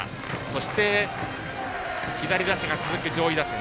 そして、左打者が続く上位打線。